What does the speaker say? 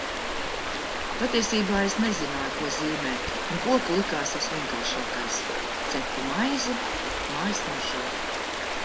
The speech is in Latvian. Patiesībā es nezināju, ko zīmēt un koki likās visvienkāršākais. Cepu maizi. Māja smaržo.